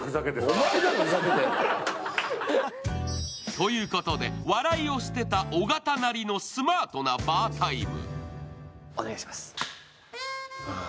ということで、笑いを捨てた尾形なりのスマートなバータイム。